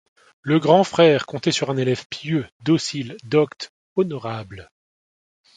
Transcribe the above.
Le grand frère comptait sur un élève pieux, docile, docte, honorable.